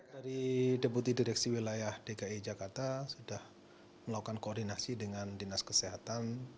dari deputi direksi wilayah dki jakarta sudah melakukan koordinasi dengan dinas kesehatan